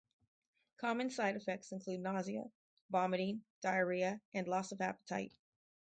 Common side effects include nausea, vomiting, diarrhea, and loss of appetite.